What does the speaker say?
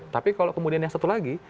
tapi kalau kemudian yang satu lagi